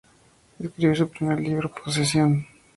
Escribe su primer libro "Posesión".